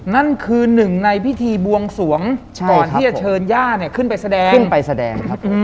นั่นคือหนึ่งในพิธีบวงสวงก่อนที่จะเชิญย่าขึ้นไปแสดง